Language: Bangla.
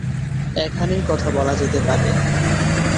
এখানেই কথা বলা যেতে পারে।